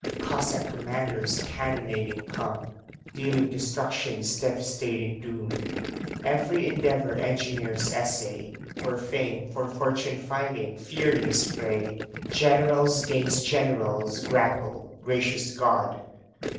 Cossack commanders cannonading come, Dealing destruction's devastating doom. Every endeavor engineers essay, For fame, for fortune fighting furious fray! Generals 'gainst generals grapple gracious God!